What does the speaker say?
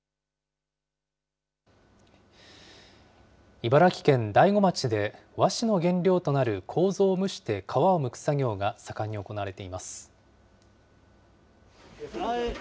茨城県大子町で、和紙の原料となるこうぞを蒸して皮をむく作業が盛んに行われています。